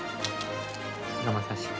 まさしく。